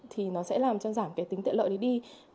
thì nó sẽ làm cho giảm cái tính tiện lợi đấy đi